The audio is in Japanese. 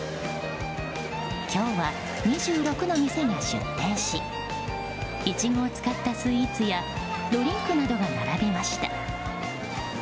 今日は２６の店が出店しイチゴを使ったスイーツやドリンクなどが並びました。